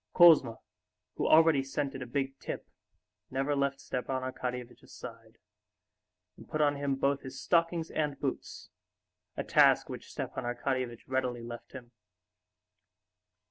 Kouzma, who already scented a big tip, never left Stepan Arkadyevitch's side, and put on him both his stockings and boots, a task which Stepan Arkadyevitch readily left him.